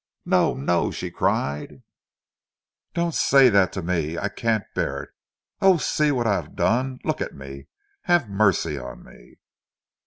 "No, no!" she cried, "don't say that to me! I can't bear it—oh, see what I have done! Look at me! Have mercy on me!"